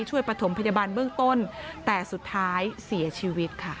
ประถมพยาบาลเบื้องต้นแต่สุดท้ายเสียชีวิตค่ะ